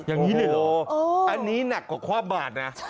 อย่างนี้เลยเหรออันนี้หนักกว่าความบาดนะ